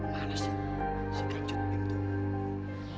mana si ganjut itu